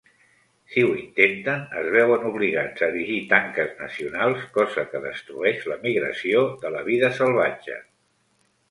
Si ho intenten, es veuen obligats a erigir tanques nacionals, cosa que destrueix la migració de la vida salvatge.